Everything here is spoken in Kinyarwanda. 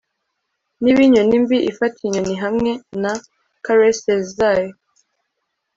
Niba inyoni mbi ifata inyoni hamwe na caresses zayo